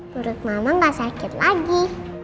perut mama gak sakit lagi